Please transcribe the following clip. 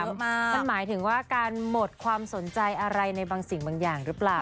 มันหมายถึงว่าการหมดความสนใจอะไรในบางสิ่งบางอย่างหรือเปล่า